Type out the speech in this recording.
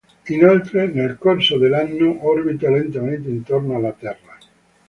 Inoltre, nel corso dell'anno, "orbita" lentamente intorno alla Terra.